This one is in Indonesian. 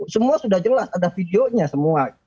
semua sudah jelas ada videonya semua